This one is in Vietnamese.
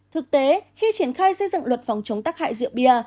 thực tế khi triển khai xây dựng luật phòng chống tắc hại rượu bia